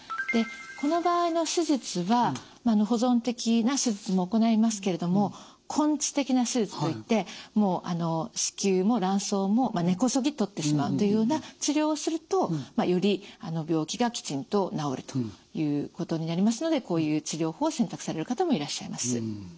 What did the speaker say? でこの場合の手術は保存的な手術も行いますけれども根治的な手術といって子宮も卵巣も根こそぎ取ってしまうというような治療をするとより病気がきちんと治るということになりますのでこういう治療法を選択される方もいらっしゃいます。